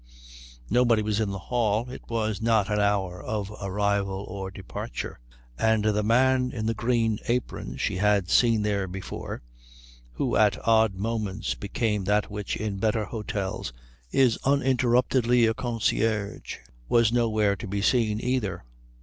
Nobody was in the hall. It was not an hour of arrival or departure; and the man in the green apron she had seen there before, who at odd moments became that which in better hôtels is uninterruptedly a concierge, was nowhere to be seen, either.